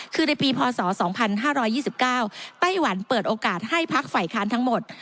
คือในปีพศ๒๕๒๙ไต้หวันเปิดโอกาสให้พักฝ่ายค้านทั้งหมด